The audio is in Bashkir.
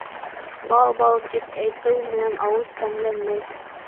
«Бал, бал» тип әйтеү менән ауыҙ тәмләнмәй.